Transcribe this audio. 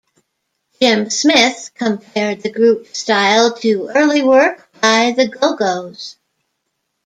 Jim Smith compared the group's style to early work by the Go-Gos.